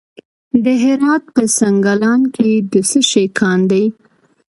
د هرات په سنګلان کې د څه شي کان دی؟